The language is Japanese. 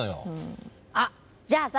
あっじゃあさ